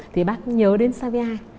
thì bác nhớ đến savia